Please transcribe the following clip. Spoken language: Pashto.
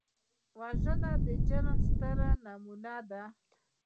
وژنه د جرم ستره نمونه ده